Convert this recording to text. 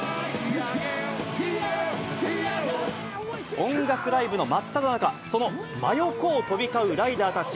音楽ライブの真っただ中、その真横を飛び交うライダーたち。